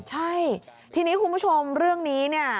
ใช่ทีนี้คุณผู้ชมเรื่องนี้เนี่ย